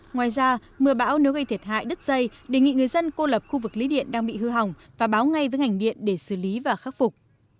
ngoài ra mưa bão nếu gây thiệt hại đứt dây đề nghị người dân cô lập khu vực lý điện đang bị hư hỏng và báo ngay với ngành điện để xử lý và khắc phục